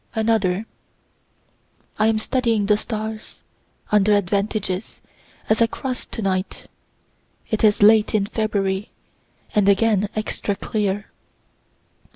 Another. I am studying the stars, under advantages, as I cross tonight. (It is late in February, and again extra clear.)